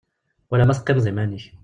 Wala ma teqqimeḍ iman-ik.